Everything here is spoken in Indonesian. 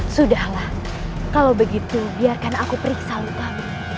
sudahlah kalau begitu biarkan aku periksa lukamu